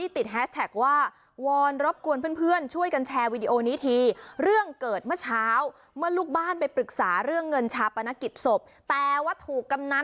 พร้อมกับข้อความที่ติดแฮสแท็กว่า